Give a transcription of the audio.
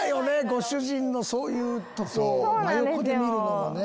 ご主人のそういうとこ真横で見るのはね。